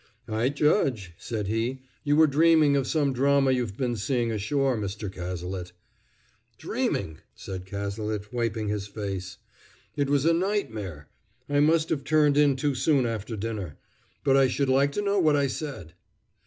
"I judge," said he, "you were dreaming of some drama you've been seeing ashore, Mr. Cazalet." "Dreaming!" said Cazalet, wiping his face. "It was a nightmare! I must have turned in too soon after dinner. But I should like to know what I said."